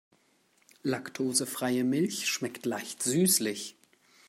Laktosefreie Milch schmeckt leicht süßlich.